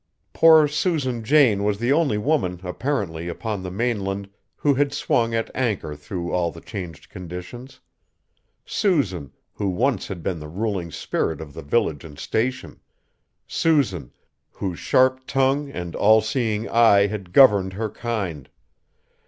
Poor Susan Jane was the only woman, apparently, upon the mainland, who had swung at anchor through all the changed conditions. Susan, who once had been the ruling spirit of the village and Station! Susan, whose sharp tongue and all seeing eye had governed her kind!